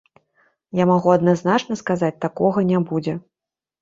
Я магу адназначна сказаць, такога не будзе.